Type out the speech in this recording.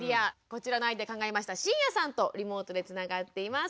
こちらのアイデア考えました椎谷さんとリモートでつながっています。